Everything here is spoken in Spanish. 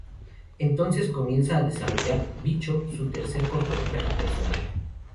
Entonces comienza a desarrollar "Bicho", su tercer cortometraje personal.